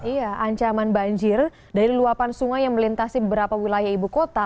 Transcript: iya ancaman banjir dari luapan sungai yang melintasi beberapa wilayah ibu kota